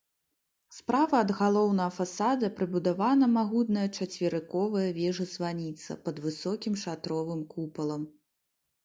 Справа ад галоўнага фасада прыбудавана магутная чацверыковая вежа-званіца пад высокім шатровым купалам.